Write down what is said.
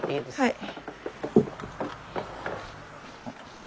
はい。